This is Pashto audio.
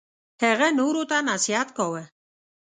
هغه نورو ته نصیحت کاوه.